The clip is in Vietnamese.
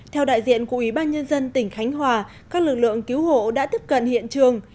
theo đại diện của ủy ban nhân dân tỉnh khánh hòa các lực lượng cứu hộ đã tiếp cận hiện trường